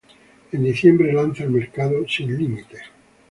En diciembre, lanza al mercado "Sin límite".